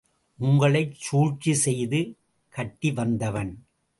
உங்களைச் சூழ்ச்சி செய்து கட்டி வந்தவன்.